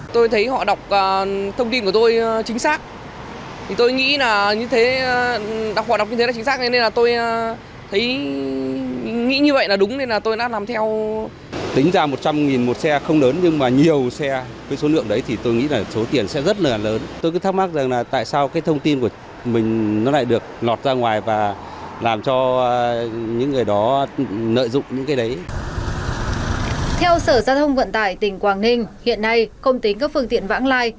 theo sở gia thông vận tải tỉnh quảng ninh hiện nay không tính các phương tiện vãng lai